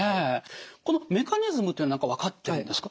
このメカニズムっていうのは何か分かってるんですか？